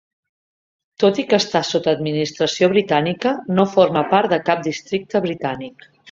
Tot i que està sota administració britànica, no forma part de cap districte britànic.